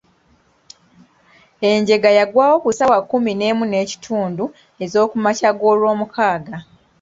Enjega yagwawo ku ssaawa kkumi n'emu n'ekitundu ez'okumakya g'olwomukaaga.